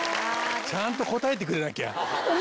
ちゃんと答えてくれなきゃ。